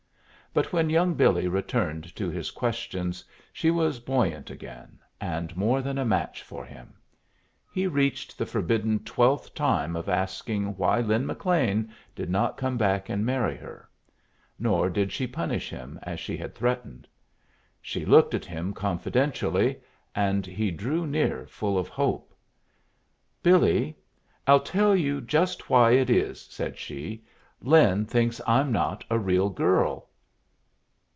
But when young Billy returned to his questions she was buoyant again, and more than a match for him. He reached the forbidden twelfth time of asking why Lin McLean did not come back and marry her. Nor did she punish him as she had threatened. She looked at him confidentially, and he drew near, full of hope. "Billy, I'll tell you just why it is," said she. "Lin thinks I'm not a real girl."